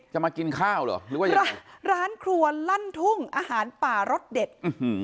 จะมากินข้าวหรอหรือว่าร้านครัวลั่นทุ่งอาหารป่ารถเด็ดอื้อหือ